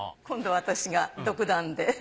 今度私が独断で。